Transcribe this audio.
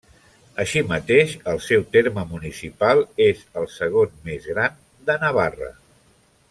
Així mateix, el seu terme municipal és el segon més gran de Navarra.